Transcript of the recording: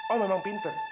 oh memang pinter